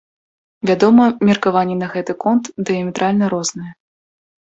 Вядома, меркаванні на гэты конт дыяметральна розныя.